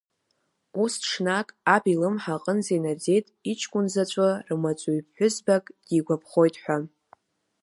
Ус ҽнак аб илымҳа аҟынӡа инаӡеит иҷкәын заҵәы рмаҵуҩ ԥҳәызбак дигәаԥхоит ҳәа.